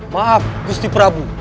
maaf gusti prabu